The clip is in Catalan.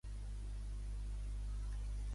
Ai, les reunions de treball!